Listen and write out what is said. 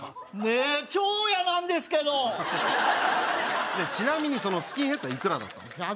ねえ超嫌なんですけどちなみにそのスキンヘッドはいくらだったんすか？